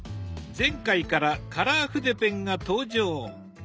前回からカラー筆ペンが登場。